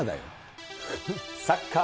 サッカー